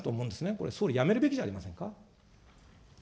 これ、総理やめるべきじゃありませんか。